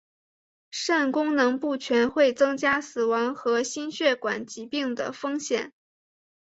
肾功能不全会增加死亡和心血管疾病的风险。